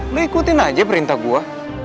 lo ikutin aja perintah gue